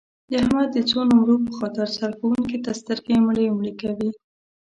د احمد د څو نمرو په خاطر سرښوونکي ته سترګې مړې مړې کوي.